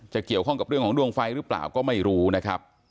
เกี่ยวข้องกับเรื่องของดวงไฟหรือเปล่าก็ไม่รู้นะครับ